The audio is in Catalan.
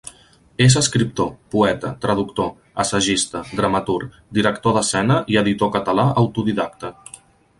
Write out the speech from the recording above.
És escriptor, poeta, traductor, assagista, dramaturg, director d'escena i editor català autodidacta.